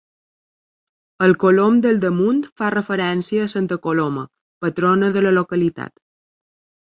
El colom del damunt fa referència a santa Coloma, patrona de la localitat.